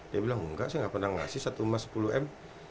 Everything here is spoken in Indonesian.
dia bilang enggak saya nggak pernah ngasih satu emas sepuluh m